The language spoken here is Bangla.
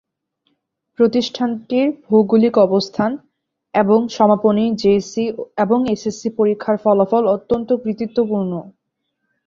প্রতিষ্ঠানটির ভৌগোলিক অবস্থান এবং সমাপনী, জেেএস, সি এবং এস, এস, সি পরীক্ষার ফলাফল অত্যন্ত কৃতিত্বপূর্ণ।